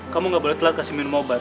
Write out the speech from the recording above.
kamu ga boleh telat kasih minum obat